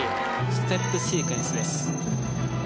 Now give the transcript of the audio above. ステップシークエンスです。